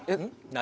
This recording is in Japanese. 何？